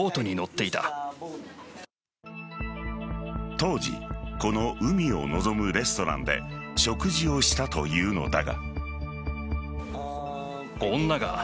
当時この海を望むレストランで食事をしたというのだが。